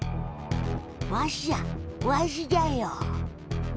わしじゃわしじゃよ。